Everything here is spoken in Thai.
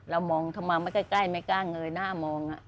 เรามองทำไมไม่ใกล้ไม่กล้าเงยหน้ามอง